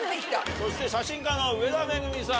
そして写真家の植田めぐみさん。